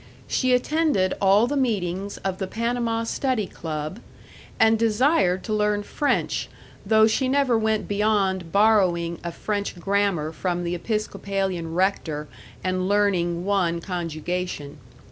She attended all the meetings of the Panama Study Club, and desired to learn French, though she never went beyond borrowing a French grammar from the Episcopalian rector and learning one conjugation.